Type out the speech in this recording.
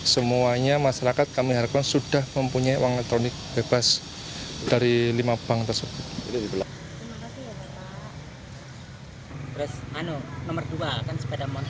semuanya masyarakat kami harapkan sudah mempunyai uang elektronik bebas dari lima bank tersebut